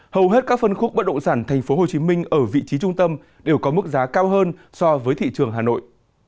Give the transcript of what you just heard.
hầu hết các phân khúc bất động sản tp hcm ở vị trí trung tâm đều có mức giá cao hơn so với thị trường hà nội